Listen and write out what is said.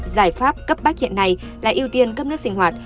giải pháp cấp bách hiện nay là ưu tiên cấp nước sinh hoạt